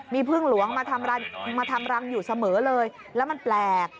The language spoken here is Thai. มีพึ่งหลวงมาทำรังอยู่เสมอเลยแล้วมันแปลก